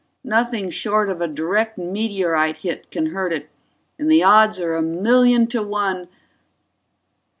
Nothing short of a direct meteorite hit can hurt it, and the odds are a million to one